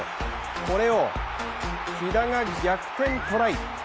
これを木田が逆転トライ。